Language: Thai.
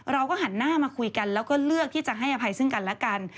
เราก็หันหน้ามาคุยกันแล้วก็เลือกที่จะให้อภัยซึ่งกันและกัน